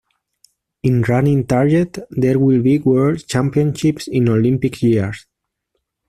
In running target, there will be World Championships in Olympic years.